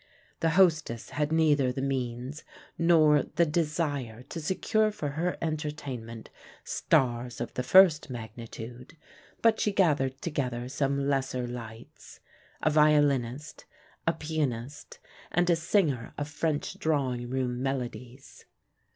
The hostess had neither the means nor the desire to secure for her entertainment stars of the first magnitude, but she gathered together some lesser lights a violinist, a pianist, and a singer of French drawing room melodies.